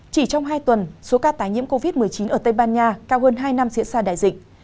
chỉ trong hai tuần số ca tái nhiễm covid một mươi chín ở tây ban nha cao hơn hai năm diễn ra đại dịch